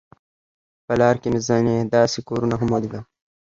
په لار کې مې ځینې داسې کورونه هم ولیدل.